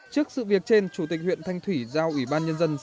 trước sự việc trên chủ tịch huyện thanh thủy giao ủy ban nhân dân xã bảo yên chủ trì